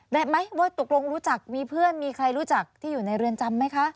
ไหมว่าตกลงรู้จักมีเพื่อนมีใครรู้จักที่อยู่ในเรือนจำไหมคะ